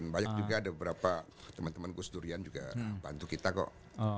banyak juga ada beberapa teman teman gus durian juga bantu kita kok